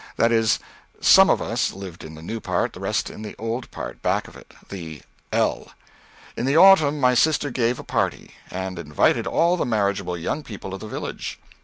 That is, some of us lived in the new part, the rest in the old part back of it the "L." In the autumn my sister gave a party, and invited all the marriageable young people of the village.